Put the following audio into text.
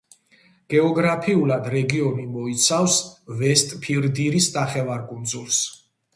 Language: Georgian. გეოგრაფიულად რეგიონი მოიცავს ვესტფირდირის ნახევარკუნძულს.